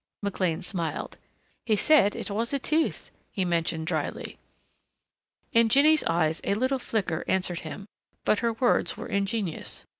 McLean smiled. "He said it was a tooth," he mentioned dryly. In Jinny's eyes a little flicker answered him, but her words were ingenuous.